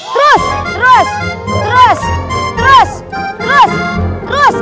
terus terus terus terus terus terus